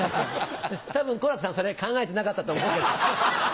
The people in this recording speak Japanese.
多分好楽さんそれ考えてなかったと思う。